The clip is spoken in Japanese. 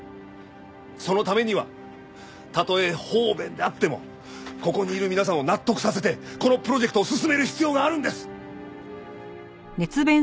そのためにはたとえ方便であってもここにいる皆さんを納得させてこのプロジェクトを進める必要があるんです！